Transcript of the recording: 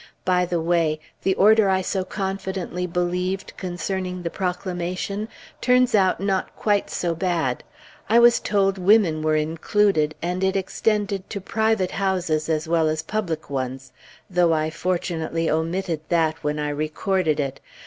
By the way the order I so confidently believed, concerning the proclamation, turns out not quite so bad. I was told women were included, and it extended to private houses as well as public ones, though I fortunately omitted that when I recorded it.